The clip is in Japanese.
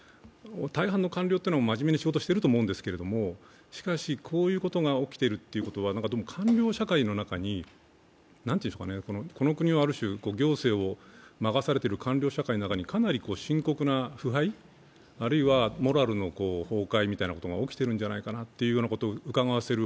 大半の官僚というのは真面目に仕事していると思うんですけれども、しかし、こういうことが起きているということはこの国をある種、行政を任されている官僚社会の中にかなり深刻な腐敗、あるいはモラルの崩壊みたいなことが起きてるんじゃないかということをうかがわせる